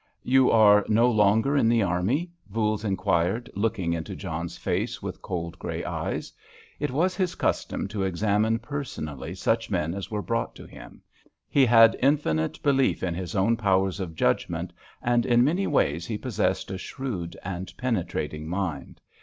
"You are no longer in the army?" Voules inquired, looking into John's face with cold grey eyes. It was his custom to examine personally such men as were brought to him; he had infinite belief in his own powers of judgment, and in many ways he possessed a shrewd and penetrating mind.